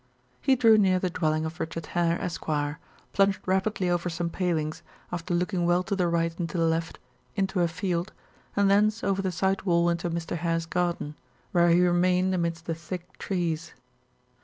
He drew near the dwelling of Richard Hare, Esq., plunged rapidly over some palings, after looking well to the right and to the left, into a field, and thence over the side wall into Mr. Hare's garden, where he remained amidst the thick trees.